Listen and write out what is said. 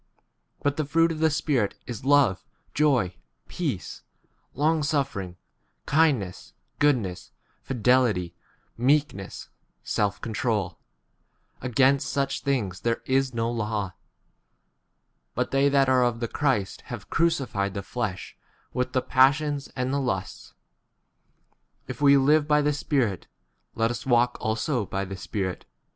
But the fruit of the Spirit is love, joy, peace, long suffering, kindness, 23 goodness, fidelity, meekness, self control : against such things there 24 is no law. But they that are of the Christ have crucified the flesh with the passions and the lusts. 25 If we live byi the Spirit, let us 25 walk also by the Spirit.